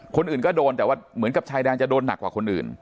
คนอื่นก็โดนแต่ว่าเหมือนกับชายแดนจะโดนหนักกว่าคนอื่น